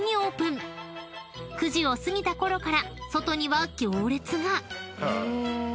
［９時を過ぎたころから外には行列が］